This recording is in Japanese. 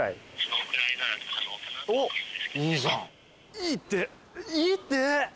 いいっていいって！